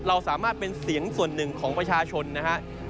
เราสามารถเป็นเสียงส่วนหนึ่งของประชาชนนะฮะ